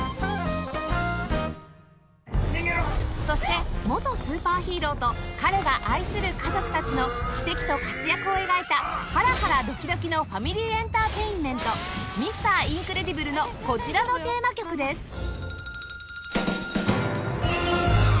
そして元スーパーヒーローと彼が愛する家族たちの奇跡と活躍を描いたハラハラドキドキのファミリー・エンターテインメント『Ｍｒ． インクレディブル』のこちらのテーマ曲です